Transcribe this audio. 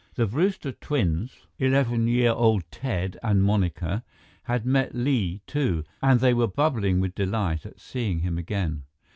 The Brewster twins, eleven year old Ted and Monica, had met Li, too, and they were bubbling with delight at seeing him again.